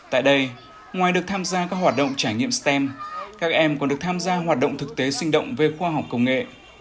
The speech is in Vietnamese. tại đây ngoài được tham gia các hoạt động trải nghiệm stem các em còn được tham gia hoạt động thực tế sinh động về khoa học công nghệ